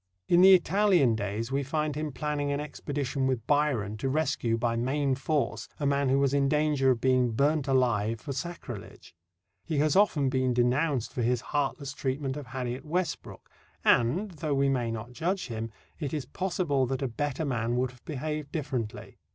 In the Italian days we find him planning an expedition with Byron to rescue, by main force, a man who was in danger of being burnt alive for sacrilege. He has often been denounced for his heartless treatment of Harriet Westbrook, and, though we may not judge him, it is possible that a better man would have behaved differently.